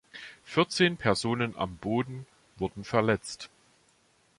Vierzehn Personen am Boden wurden verletzt.